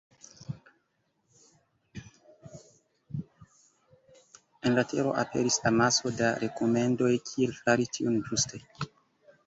En la reto aperis amaso da rekomendoj kiel fari tion ĝuste.